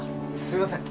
すいません